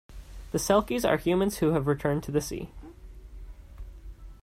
The selkies are humans who have returned to the sea.